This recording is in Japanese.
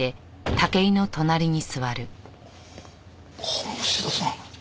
鴨志田さん。